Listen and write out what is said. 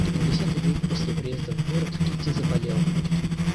На десятый день после приезда в город Кити заболела.